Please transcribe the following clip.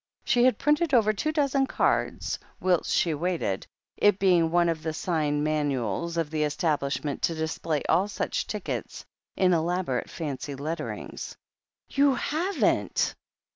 She had printed over two dozen cards whilst she waited, it being one of the sign manuals of the estab lishment to display all such tickets in elaborate fancy letterings. ''You haven't!"